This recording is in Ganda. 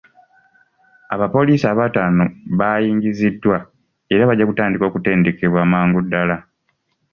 Abapoliisi abatono baayingiziddwa era bajja kutandika okutendekebwa amangu ddaala.